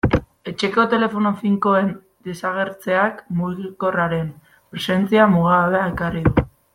Etxeko telefono finkoen desagertzeak mugikorraren presentzia mugagabea ekarri du.